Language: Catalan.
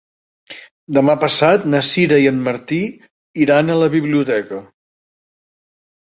Demà passat na Sira i en Martí iran a la biblioteca.